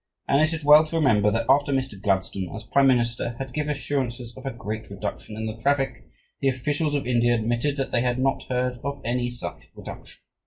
And it is well to remember that after Mr. Gladstone, as prime minister, had given assurances of a "great reduction" in the traffic, the officials of India admitted that they had not heard of any such reduction.